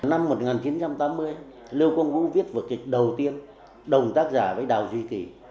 năm một nghìn chín trăm tám mươi lưu quang vũ viết vở kịch đầu tiên đồng tác giả với đào duy kỳ